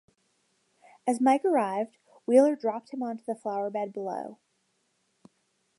As Mike arrived, Wheeler dropped him onto the flowerbed below.